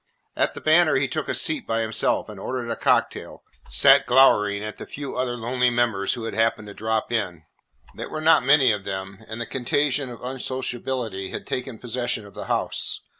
At the Banner he took a seat by himself, and, ordering a cocktail, sat glowering at the few other lonely members who had happened to drop in. There were not many of them, and the contagion of unsociability had taken possession of the house.